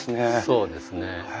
そうですね。